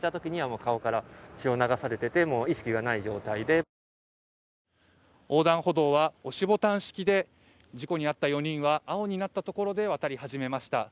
１１９番通報した男性は横断歩道は、押しボタン式で事故に遭った４人は、青になったところで渡り始めました